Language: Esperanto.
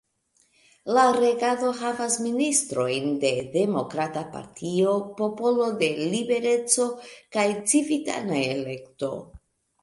La regado havas ministrojn de Demokrata Partio, Popolo de Libereco kaj Civitana Elekto.